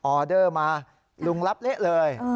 ออเดอร์มาลุงรับเละเลย